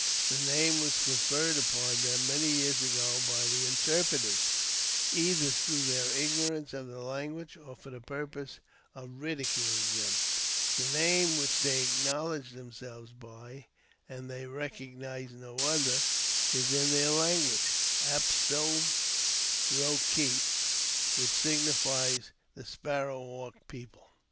The namel was conferred upon them many years ago by the interpreters , either through their ignorance of the language, or for the purpose of ridiculing them. The name which they acknow ledge themselves by, and they recognize no other, is in theii language Ap sah ro kee, which signifies the Sparrowhawk people.